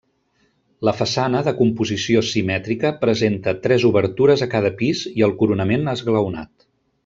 La façana, de composició simètrica, presenta tres obertures a cada pis i el coronament esglaonat.